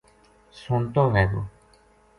سُتو وھے گو